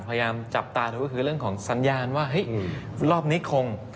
พยายามจับตาดูก็คือเรื่องของสัญญาณว่าเฮ้ยรอบนี้คง